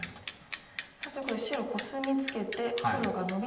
さあということで白コスミツケて黒がノビました。